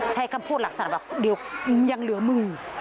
ใช้คำพูดลักษณะแบบเดี๋ยวมึงยังเหลือมึง